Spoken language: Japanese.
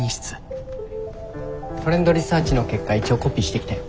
トレンドリサーチの結果一応コピーしてきたよ。